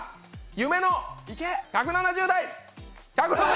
夢の１７０台！